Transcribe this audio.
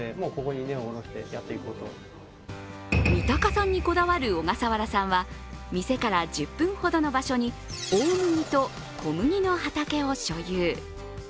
三鷹産にこだわる小笠原さんは店から１０分ほどの場所に大麦と小麦の畑を所有。